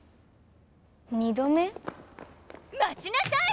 ２度目？まちなさい！